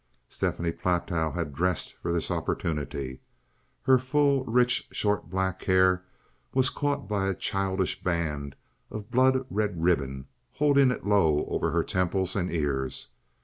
Stephanie Platow had dressed for this opportunity. Her full, rich, short black hair was caught by a childish band of blood red ribbon, holding it low over her temples and ears.